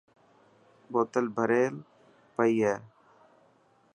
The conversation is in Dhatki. بوتل ڀريل پئي هي.